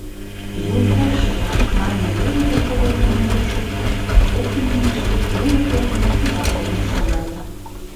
— Йолташ-влак! — манын веле полковой командир шуктыш — кок имнешке уло кертмын кудал толын шогале.